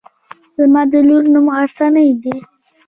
زما د لور نوم غرڅنۍ دی.